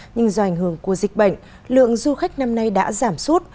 nhưng do ảnh hưởng của dịch bệnh lượng du khách năm nay đã giảm suốt